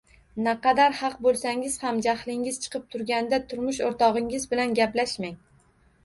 Naqadar haq bo‘lsangiz ham, jahlingiz chiqib turganida turmush o‘rtog‘ingiz bilan gaplashmang.